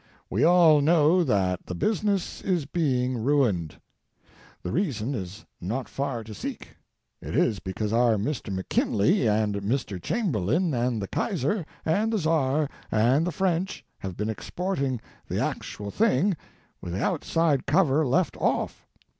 We all know that the Business is being ruined. The reason is rot far to seek. It is because our Mr. McKinley, and Mr. Cham berlain, and the Kaiser, and the Czar and the French have been exporting the Actual Thing with the outside cover left off.